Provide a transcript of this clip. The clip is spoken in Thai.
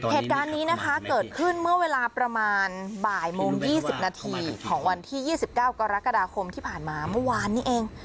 เหตุการณ์นี้นะคะเกิดขึ้นเมื่อเวลาประมาณบ่ายโมง๒๐นาทีของวันที่๒๙กรกฎาคมที่ผ่านมาเมื่อวานนี้เอง